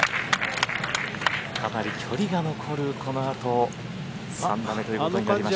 かなり距離が残る、このあと３打目ということになりました。